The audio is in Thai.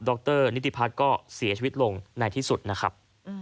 รนิติพัฒน์ก็เสียชีวิตลงในที่สุดนะครับ